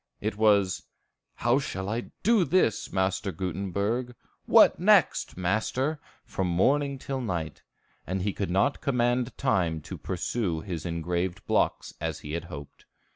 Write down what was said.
It was, "How shall I do this, Master Gutenberg?" "What next, master?" from morning till night; and he could not command time to pursue his engraved blocks, as he had hoped.